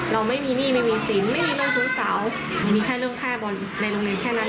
เราไม่มีหนี้ไม่มีสินไม่มีเรื่องชู้สาวมีแค่เรื่องค่าบอลในโรงเรียนแค่นั้น